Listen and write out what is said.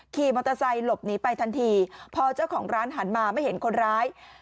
ขี่มอเตอร์ไซค์หลบหนีไปทันทีพอเจ้าของร้านหันมาไม่เห็นคนร้าย